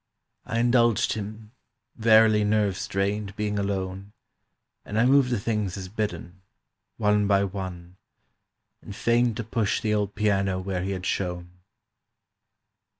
I indulged him, verily nerve strained Being alone, And I moved the things as bidden, One by one, And feigned to push the old piano where he had shown.